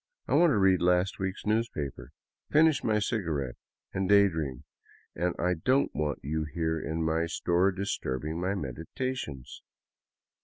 I want to read last week's newspaper, finish my cigarette, and day dream, and I don't want you here in my store disturbing my medi tations."